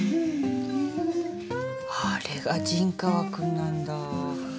あれが陣川君なんだ。